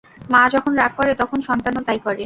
মা যখন রাগ করে তখন সন্তানও তাই করে।